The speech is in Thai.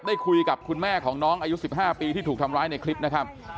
ได้คุยกับคุณแม่ของน้องอายุ๑๕ปีที่ถูกทำร้ายในคลิปนะครับ